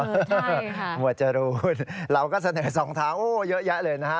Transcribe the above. หมวดจรูนเราก็เสนอสองทางโอ้เยอะแยะเลยนะฮะ